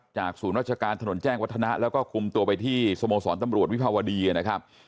ศูนย์ราชการถนนแจ้งวัฒนะแล้วก็คุมตัวไปที่สโมสรตำรวจวิภาวดีนะครับ